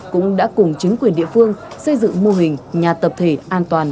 cũng đã cùng chính quyền địa phương xây dựng mô hình nhà tập thể an toàn